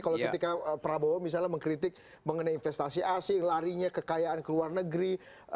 kalau ketika prabowo misalnya mengkritik mengenai investasi asing larinya kekayaan ke luar negeri